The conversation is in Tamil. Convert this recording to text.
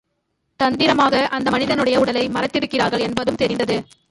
தந்திரமாக அந்த மனிதனுடைய உடலை மறைத்திருக்கிறார்கள் என்பதும் தெரிந்தது.